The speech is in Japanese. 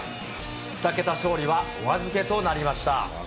２桁勝利はお預けとなりました。